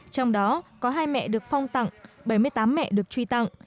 trong đó có hai mẹ được phong tặng bảy mươi tám mẹ được truy tặng